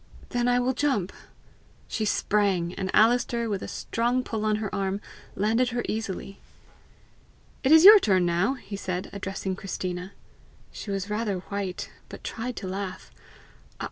"Then I will jump." She sprang, and Alister, with a strong pull on her arm, landed her easily. "It is your turn now," he said, addressing Christina. She was rather white, but tried to laugh.